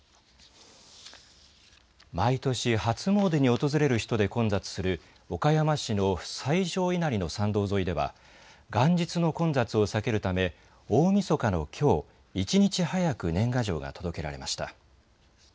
毎年、初詣に訪れる人で混雑する岡山市の最上稲荷の参道沿いでは元日の混雑を避けるため大みそかのきょう、一日早く年賀状が届けられました。